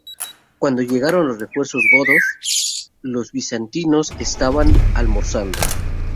Cuando llegaron los refuerzos godos, los bizantinos estaban almorzando.